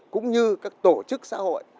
cũng như các tổ chức xã hội